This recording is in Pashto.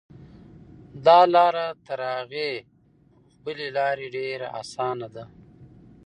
دا لاره تر هغې بلې لارې ډېره اسانه ده.